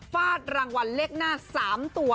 ฟาดรางวัลเลขหน้า๓ตัว